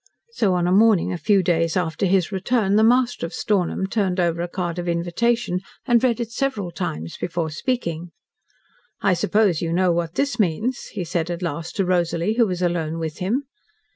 So, on a morning a few days after his return, the master of Stornham turned over a card of invitation and read it several times before speaking. "I suppose you know what this means," he said at last to Rosalie, who was alone with him.